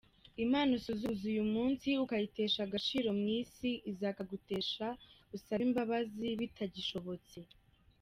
Imana usuzuguza uyu munsi ukayitesha agaciro mu Isi, izakagutesha usabe imbabazi bitagishobotse.